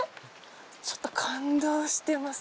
ちょっと感動してます